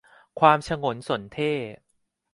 ความฉงนสนเท่ห์